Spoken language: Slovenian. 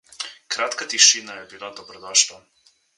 Kratka tišina je bila dobrodošla.